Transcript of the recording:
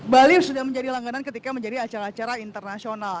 bali sudah menjadi langganan ketika menjadi acara acara internasional